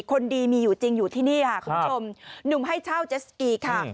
คนดีมีอยู่จริงอยู่ที่นี่ค่ะคุณผู้ชมหนุ่มให้เช่าเจสสกีค่ะ